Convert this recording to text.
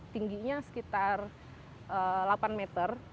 tingginya sekitar delapan meter